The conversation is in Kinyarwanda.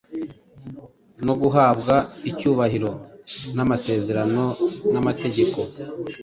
no guhabwa icyubahiro, n’amasezerano, n’amategeko,